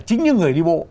chính những người đi bộ